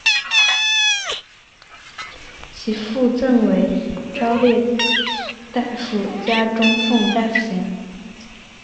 其父赠为朝列大夫加中奉大夫衔。